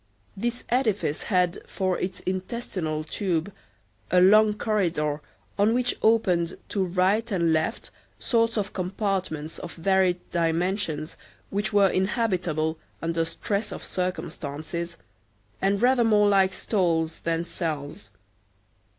This edifice had, for its intestinal tube, a long corridor, on which opened to right and left sorts of compartments of varied dimensions which were inhabitable under stress of circumstances, and rather more like stalls than cells.